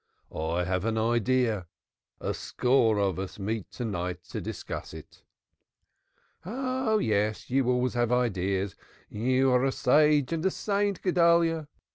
"I have an idea; a score of us meet to night to discuss it." "Ah, yes! You have always ideas. You are a sage and a saint, Guedalyah.